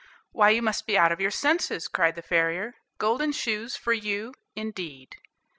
"Why, you must be out of your senses," cried the farrier. "Golden shoes for you, indeed!"